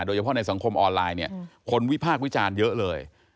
โดยเฉพาะในสังคมออนไลน์เนี่ยคนวิพากษ์วิจารณ์เยอะเลย